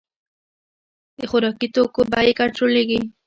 د خوراکي توکو بیې کنټرولیږي